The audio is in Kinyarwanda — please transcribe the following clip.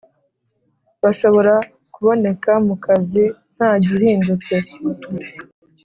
bashobora kuboneka mu kazi ntagihindutse